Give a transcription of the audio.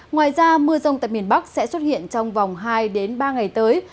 ngoài ra mưa rông tại miền bắc sẽ xuất hiện trong vòng hai ba ngày tới